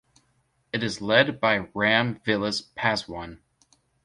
It is led by Ram Vilas Paswan.